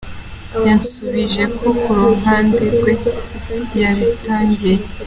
Yansubije ko ku ruhande rwe yabitangiye.